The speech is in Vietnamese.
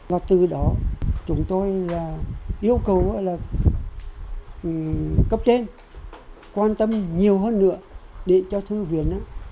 có từ đó chúng tôi yêu cầu cứ cấp trên quan tâm nhiều họ nữa để cho thư viện